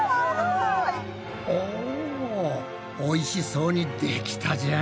おぉおいしそうにできたじゃん！